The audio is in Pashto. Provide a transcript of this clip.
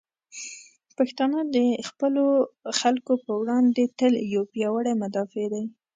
پښتانه د خپلو خلکو په وړاندې تل یو پیاوړي مدافع دی.